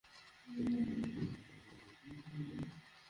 Train চলাচলের সময়সূচি একটি থাকে বটে, তবে এটা মানার বাধ্যবাধকতা চিন্তাতেই নেই।